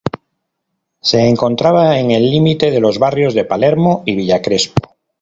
Se encontraba en el límite de los barrios de Palermo y Villa Crespo.